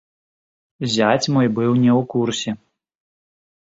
Зяць мой быў не ў курсе.